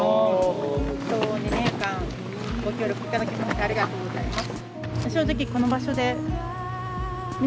２年間ご協力頂きましてありがとうございます。